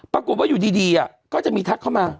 ปรากฏว่าอยู่ดีก็จะมีทักเข้ามา